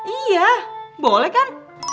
iya boleh kan